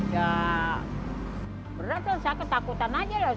ya beneran saya ketakutan aja lah